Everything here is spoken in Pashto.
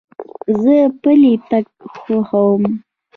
زه پلي تګ خوښوم.